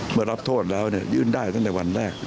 รับโทษแล้วยื่นได้ตั้งแต่วันแรก